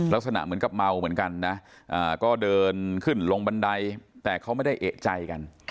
ลักษณะเหมือนกับเมาเหมือนกันนะก็เดินขึ้นลงบันไดแต่เขาไม่ได้เอกใจกัน